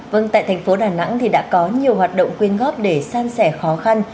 vâng tại thành phố đà nẵng thì đã có nhiều hoạt động quyên góp để san sẻ khó khăn